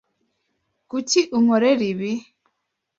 Kuki unkorera ibi?